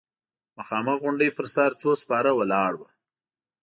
د مخامخ غونډۍ پر سر څو سپاره ولاړ ول.